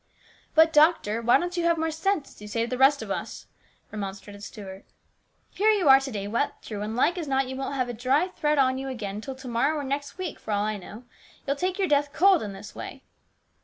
" But, doctor, why don't you have more sense, as you say to the rest of us?" remonstrated Stuart. " Here you are to day wet through, and like as not you won't have a dry thread on you again until to morrow or next week, for all that I know. You'll take your death cold this way."